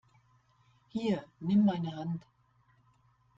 Hier, nimm meine Hand!